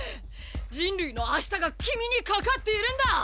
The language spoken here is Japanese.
人類の明日が君に懸かっているんだ！！